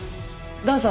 どうぞ。